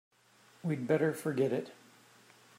We'd better forget it.